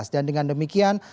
dan dengan demikian